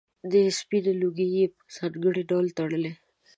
سپینې لونګۍ یې په ځانګړي ډول تړلې.